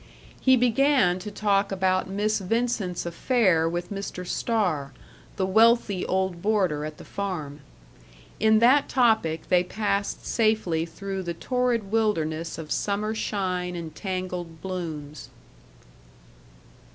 He began to talk about Miss Vincent's affair with Mr. Starr, the wealthy old boarder at the farm. In that topic they passed safely through the torrid wilderness of summer shine and tangled blooms.